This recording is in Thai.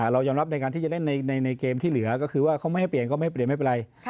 เรายอมรับในการที่จะเล่นในเกมที่เหลือก็คือว่าเขาไม่ให้เปลี่ยนก็ไม่เปลี่ยนไม่เป็นไร